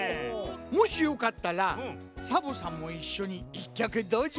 もしよかったらサボさんもいっしょに１きょくどうじゃ？